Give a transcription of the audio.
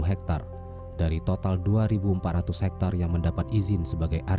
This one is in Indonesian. berkali kali upaya penghalauan selalu gagal